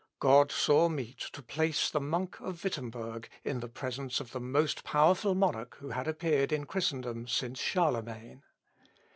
God saw meet to place the monk of Wittemberg in presence of the most powerful monarch who had appeared in Christendom since Charlemagne.